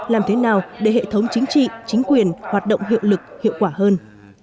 làm thế nào để hệ thống chính trị chính quyền hoạt động hiệu lực hiệu quả hơn